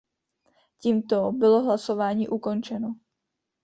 Tímto bylo hlasování ukončeno.